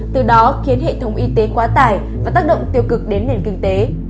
từ đó khiến hệ thống y tế quá tải và tác động tiêu cực đến nền kinh tế